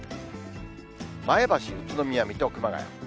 前橋、宇都宮、水戸、熊谷。